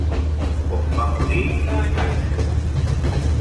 On va morir d'un càncer.